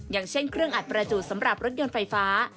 อย่างเช่นเครื่องอัดประจูดสำหรับรถยนต์ไฟฟ้า